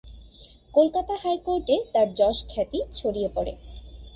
কলকাতা হাইকোর্টে তার যশ খ্যাতি ছড়িয়ে পড়ে।